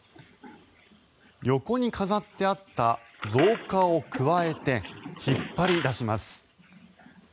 横に飾ってあった造花をくわえて引っ張り出します。